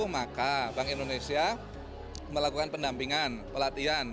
maka bank indonesia melakukan pendampingan pelatihan